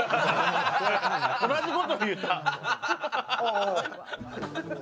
同じこと言った！